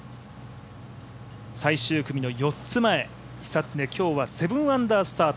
最終組の４つ前、久常、今日は７アンダースタート。